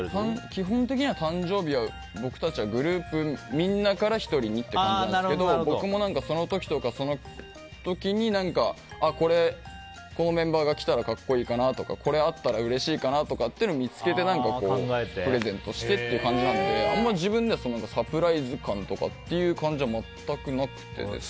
基本的には誕生日は僕たちはグループでみんなから１人にって感じなんですけど僕もその時、その時にこれ、このメンバーが着たら格好いいかなとかこれあったらうれしいかなっていうのを見つけて何かプレゼントしてって感じなのであんまり自分ではサプライズ感という感じは全くなくて。